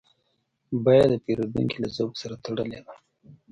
بیه د پیرودونکي له ذوق سره تړلې ده.